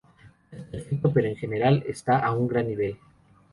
No es perfecto, pero en general está a un gran nivel.